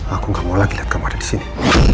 aku gak mau lagi lihat kamu ada disini